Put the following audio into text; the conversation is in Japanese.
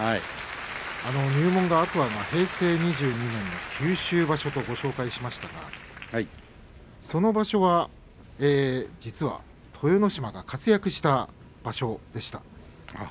入門が天空海が平成２２年の九州場所と話をしましたがその場所は豊ノ島が活躍した場所でした。